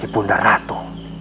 ibu bunda ratu